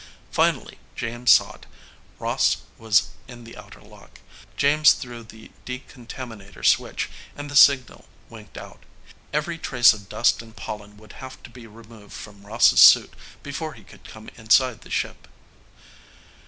Finally James saw it. Ross was in the outer lock. James threw the decontaminator switch and the signal winked out. Every trace of dust and pollen would have to be removed from Ross's suit before he could come inside the ship.